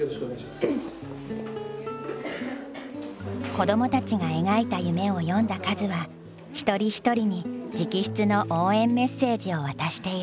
子どもたちが描いた夢を読んだカズは一人一人に直筆の応援メッセージを渡している。